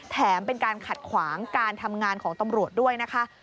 แถมเป็นการขัดขวางการทำงานของตำรวจด้วยนะคะ